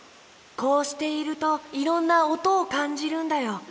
こうしているといろんなおとをかんじるんだよ。